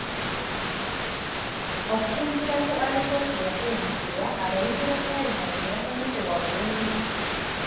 "Okusinziira ku alipoota eyafulumizibwa, abayizi ba ppulayimale tebasomesebwa bulungi."